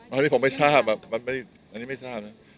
อันนี้ผมไม่ทราบอันนี้ไม่ทราบนะ